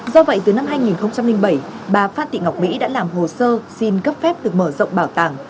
do vậy từ năm hai nghìn bảy bà phan thị ngọc mỹ đã làm hồ sơ xin cấp phép được mở rộng bảo tàng